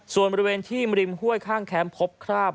ส่วนบริเวณที่ริมห้วยข้างแคมป์พบคราบ